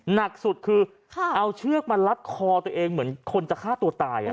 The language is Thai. หนักสุดคือเอาเชือกมาลัดคอตัวเองเหมือนคนจะฆ่าตัวตาย